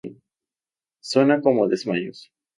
Suena como desmayos.